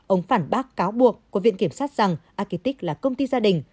ông phản bác cáo buộc của viện kiểm sát rằng akitic là công ty gia đình